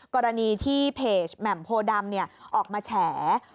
กรณีที่เพจแหม่มโพดำออกมาแฉ